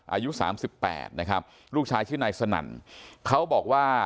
อายุสามสิบแปดนะครับลูกชายชื่อนายสนั่นเขาบอกว่า